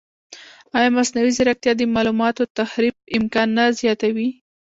ایا مصنوعي ځیرکتیا د معلوماتو تحریف امکان نه زیاتوي؟